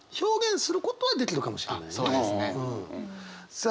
さあ